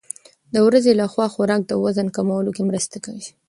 د ورځې لخوا خوراک د وزن کمولو کې مرسته کوي.